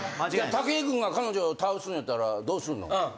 武井君が彼女を倒すんやったらどうするの？